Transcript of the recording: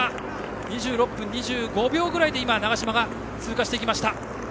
２６分２５秒くらいで長嶋が通過していきました。